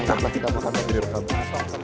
kepala kepala kepala